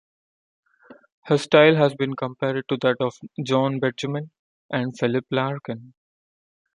Her style has been compared to that of John Betjeman and Philip Larkin.